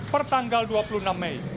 pertanggal dua puluh enam mei